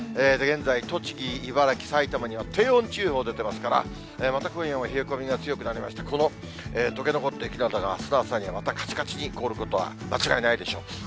現在、栃木、茨城、埼玉には低温注意報出てますから、また今夜も冷え込みが強くなりまして、このとけ残った雪などがあすの朝にはまたかちかちに凍ることは間違いないでしょう。